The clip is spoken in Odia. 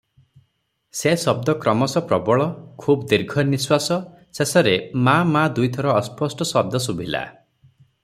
ସେ ଶବ୍ଦ କ୍ରମଶଃ ପ୍ରବଳ, ଖୁବ ଦୀର୍ଘନିଶ୍ୱାସ, ଶେଷରେ ମା’ ମା’ ଦୁଇଥର ଅସ୍ପଷ୍ଟ ଶବ୍ଦ ଶୁଭିଲା ।